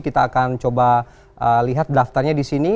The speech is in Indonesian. kita akan coba lihat daftarnya di sini